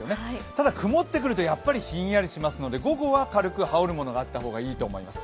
ただ、曇ってくるとやっぱりひんやりしますので、午後は軽く羽織るものがあった方がいいと思います。